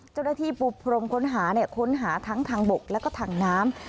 เจ้าหน้าที่ปูพรมค้นหาค้นหาทั้งทางบกแล้วก็ทางน้ำ